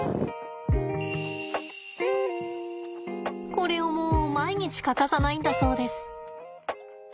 これをもう毎日欠かさないんだそうです。